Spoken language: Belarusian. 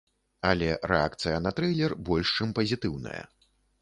Але рэакцыя на трэйлер больш чым пазітыўная.